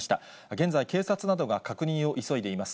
現在、警察などが確認を急いでいます。